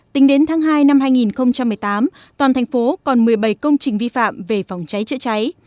tính đến tháng hai năm hai nghìn một mươi tám toàn thành phố còn một mươi bảy công trình vi phạm về phòng cháy chữa cháy